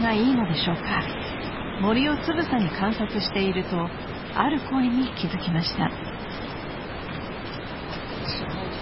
［森をつぶさに観察しているとある声に気付きました］